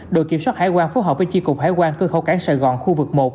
đội kiểm soát hải quan phối hợp với chi cục hải quan cơ khẩu cảng sài gòn khu vực một